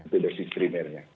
itu resis primernya